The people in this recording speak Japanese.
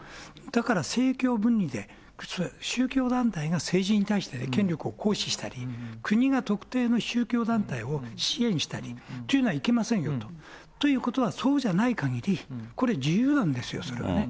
だから政教分離で、宗教団体が政治に対して権力を行使したり、国が特定の宗教団体を支援したりというのはいけませんよということは、そうじゃないかぎり、これ、自由なんですよ、それはね。